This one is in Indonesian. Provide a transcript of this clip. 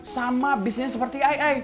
sama bisnisnya seperti ai ai